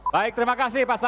baik terima kasih pak sau